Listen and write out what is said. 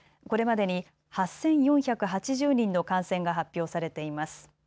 これまでに８４８０人の感染が発表されています。